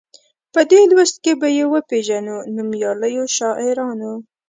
په دې لوست کې به یې وپيژنو نومیالیو شاعرانو.